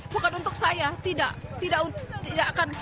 bukan untuk saya tidak